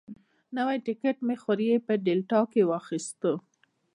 نوی ټکټ مې خوریي په ډیلټا کې واخیست.